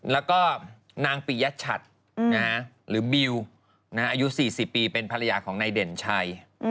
แล้วก็นางปิยชัดหรือบิวอายุ๔๐ปีเป็นภรรยาของนายเด่นชัย